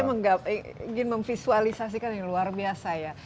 saya ingin memvisualisasikan yang luar biasa ya